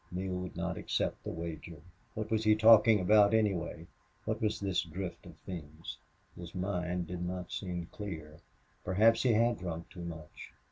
Neale would not accept the wager. What was he talking about, anyway? What was this drift of things? His mind did not seem clear. Perhaps he had drunk too much.